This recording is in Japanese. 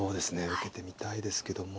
受けてみたいですけども。